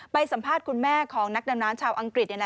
สัมภาษณ์คุณแม่ของนักดำน้ำชาวอังกฤษ